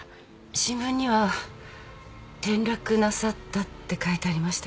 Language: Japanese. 新聞には転落なさったって書いてありましたけど。